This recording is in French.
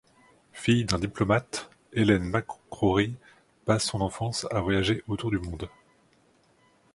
Fille d'un diplomate, Helen McCrory passe son enfance à voyager autour du monde.